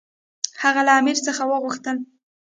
هغه له امیر څخه وغوښتل.